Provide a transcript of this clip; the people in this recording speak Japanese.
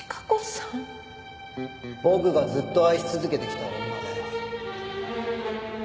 僕がずっと愛し続けてきた女だよ。